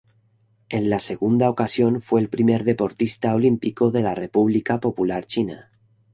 En la segunda ocasión fue el primer deportista olímpico de la República Popular China.